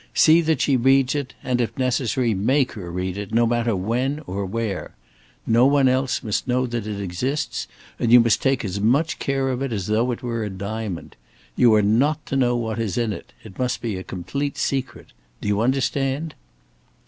See that she reads it and, if necessary, make her read it, no matter when or where. No one else must know that it exists, and you must take as much care of it as though it were a diamond. You are not to know what is in it; it must be a complete secret. Do you understand?"